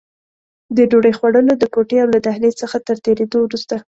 د ډوډۍ خوړلو د کوټې او له دهلېز څخه تر تېرېدو وروسته.